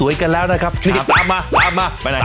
อยากเด่นเด่นคนเดียวเลย